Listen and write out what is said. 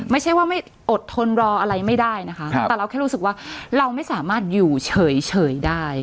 ไม่ใช่ว่าไม่อดทนรออะไรไม่ได้นะคะแต่เราแค่รู้สึกว่าเราไม่สามารถอยู่เฉยได้